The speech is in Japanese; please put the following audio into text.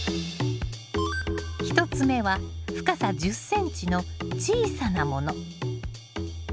１つ目は深さ１０ｃｍの小さなもの。